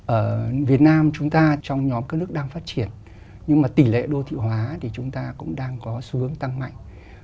ở việt nam chúng ta trong nhóm các nước đang phát triển nhưng mà tỷ lệ đô thị hóa thì chúng ta cũng đang có xu hướng tăng mạnh